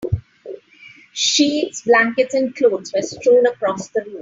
Sheets, blankets, and clothes were strewn across the room.